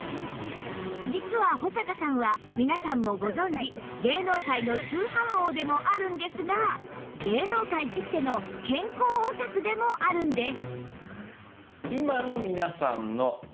実は保阪さんは皆さんもご存じ芸能界の通販王でもあるんですが芸能界きっての健康オタクでもあるんです